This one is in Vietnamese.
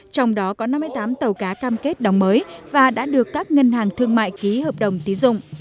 trong đó có năm mươi tám tàu cá cam kết đóng mới và đã được các ngân hàng thương mại ký hợp đồng tín dụng